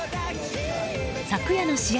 昨夜の試合